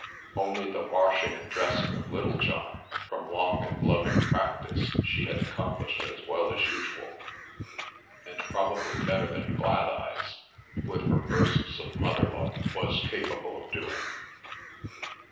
Only the washing and dressing of Littlejohn, from long and loving practice, she had accomplished as well as usual, and probably better than Gladeyes, with her bursts of mother love, was capable of doing.